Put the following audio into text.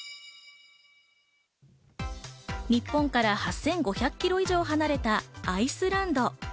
日本から８５００ｋｍ以上離れた、アイスランド。